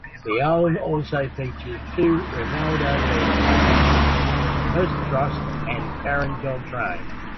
The album also features two Ranaldo-led numbers, "Hoarfrost" and "Karen Koltrane".